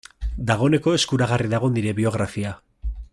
Dagoeneko eskuragarri dago nire biografia.